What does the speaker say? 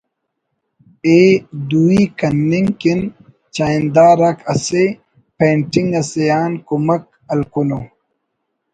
ءِ دوئی کننگ کن چاہندار آک اسہ پینٹنگ اسے آن کمک ہلکنو